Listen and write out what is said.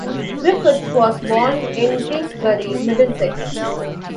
Griffiths was born in Kingsbury, Middlesex.